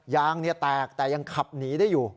ยางแตกแต่ยังขับหนีได้อยู่